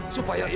tapi aku tak mau